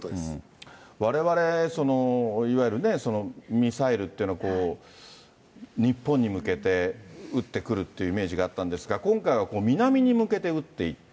われわれ、いわゆるね、ミサイルっていうのは、こう、日本に向けて撃ってくるってイメージがあったんですが、今回は南に向けて打っていった。